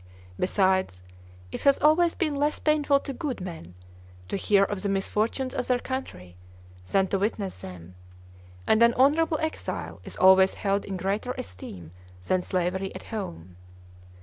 Besides, it has always been less painful to good men to hear of the misfortunes of their country than to witness them; and an honorable exile is always held in greater esteem than slavery at home."